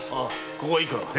ここはいいから。